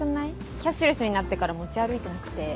キャッシュレスになってから持ち歩いてなくて。